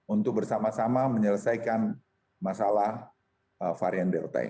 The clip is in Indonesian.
untuk bersama sama menyelesaikan masalah varian delta ini